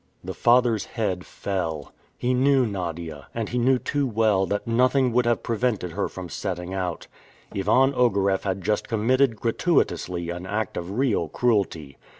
The father's head fell! He knew Nadia, and he knew too well that nothing would have prevented her from setting out. Ivan Ogareff had just committed gratuitously an act of real cruelty.